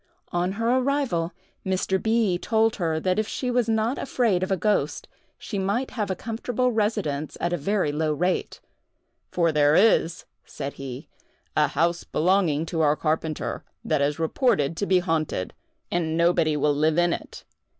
On her arrival Mr. B. told her that if she was not afraid of a ghost, she might have a comfortable residence at a very low rate, "For there is," said he, "a house belonging to our carpenter, that is reported to be haunted, and nobody will live in it.